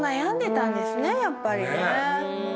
やっぱりね。